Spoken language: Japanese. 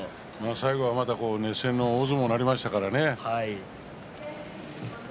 最後、熱戦の大相撲になりましたしね。